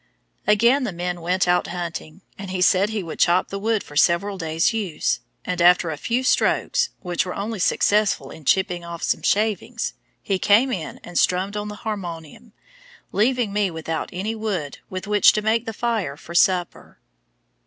Again the men went out hunting, and he said he would chop the wood for several days' use, and after a few strokes, which were only successful in chipping off some shavings, he came in and strummed on the harmonium, leaving me without any wood with which to make the fire for supper.